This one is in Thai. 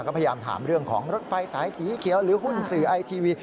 ก็พยายามถามเรื่องของรถไฟสายสีเขียวหรือหุ้นสื่อไอทีวี